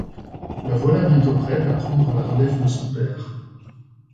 La voilà bientôt prête à prendre la relève de son père.